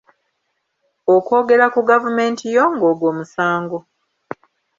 Okwogera ku gavumenti yo ng'ogwo musango.